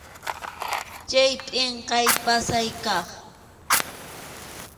Chay pʼinqay pasay kaq.